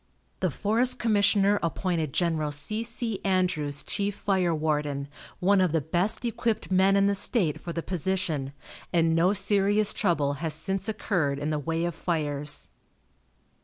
The forest commissioner appointed Gen. C. C. Andrews chief fire warden, one of the best equipped men in the state for the position, and no serious trouble has since occurred in the way of fires.